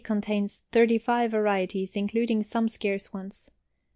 Contains 35 varieties, including some scarce ones.